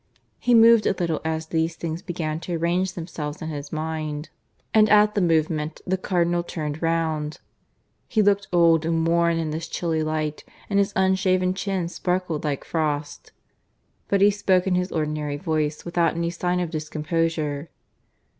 He moved a little as these things began to arrange themselves in his mind, and at the movement the Cardinal turned round. He looked old and worn in this chilly light, and his unshaven chin sparkled like frost. But he spoke in his ordinary voice, without any sign of discomposure.